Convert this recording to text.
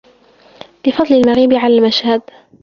لِفَضْلِ الْمَغِيبِ عَلَى الْمَشْهَدِ